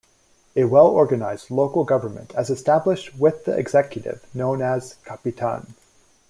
A well organized local government as established with the executive known as "Capitan".